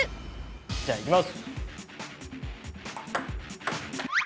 じゃあいきます。